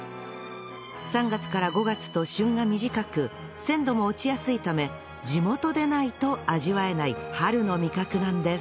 ３月から５月と旬が短く鮮度も落ちやすいため地元でないと味わえない春の味覚なんです